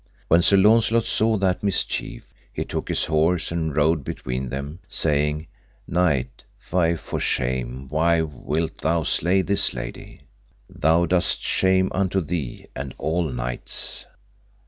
When Sir Launcelot saw that mischief, he took his horse and rode between them, saying, Knight, fie for shame, why wilt thou slay this lady? thou dost shame unto thee and all knights.